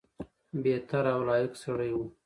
بهتر او لایق سړی وو.